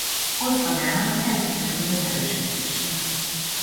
Osztagának a helyszínre küldött erősítése.